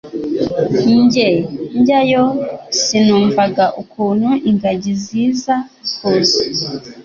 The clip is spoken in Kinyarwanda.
Nge njyayo sinumvaga ukuntu ingagi ziza kuza